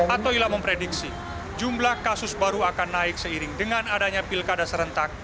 atoila memprediksi jumlah kasus baru akan naik seiring dengan adanya pilkada serentak